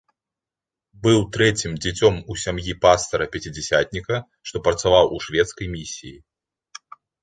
Быў трэцім дзіцём у сям'і пастара-пяцідзясятніка, што працаваў у шведскай місіі.